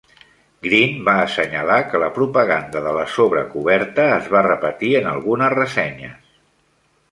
Green va assenyalar que la propaganda de la sobrecoberta es va repetir en algunes ressenyes.